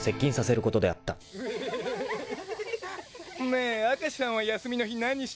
ねえ明石さんは休みの日何してんの？